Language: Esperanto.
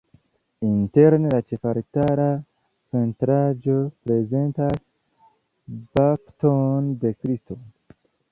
Interne la ĉefaltara pentraĵo prezentas bapton de Kristo.